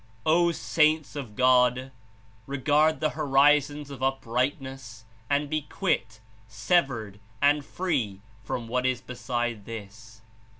"O saints of God! Regard the horizons of up rightness and be quit, severed and free from what Is beside this.